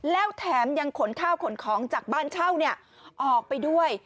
แล้วแถมยังขนข้าวขนของจากบ้านเช่าออกไปด้วย